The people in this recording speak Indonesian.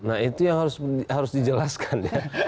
nah itu yang harus dijelaskan ya